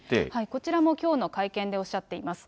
こちらもきょうの会見でおっしゃっています。